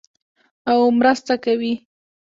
او مرسته کوي.